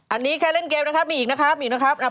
อันนี้เกี่ยวแค่เล่นเกมนะครับ